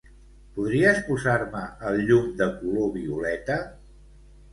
Podries posar-me el llum de color violeta?